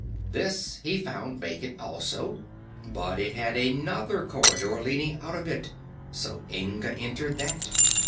This he found vacant also, but it had another corridor leading out of it, so Inga entered that.